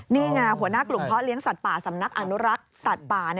นี่ไงหัวหน้ากลุ่มเพาะเลี้ยสัตว์ป่าสำนักอนุรักษ์สัตว์ป่า